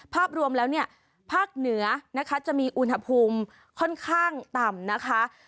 ภาพรวมแล้วภาคเหนือจะมีอุณหภูมิค่อนข้างต่ำ